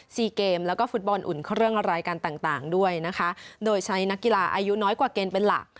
เกมแล้วก็ฟุตบอลอุ่นเครื่องอะไรกันต่างต่างด้วยนะคะโดยใช้นักกีฬาอายุน้อยกว่าเกณฑ์เป็นหลัก